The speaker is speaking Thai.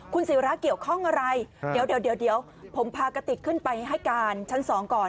คุณศิราเกี่ยวข้องอะไรเดี๋ยวผมพากติกขึ้นไปให้การชั้น๒ก่อน